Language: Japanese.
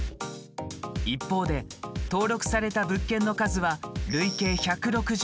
一方で登録された物件の数は累計１６１軒。